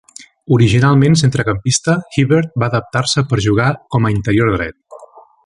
Originalment centrecampista, Hibbert va adaptar-se per jugar com a interior dret.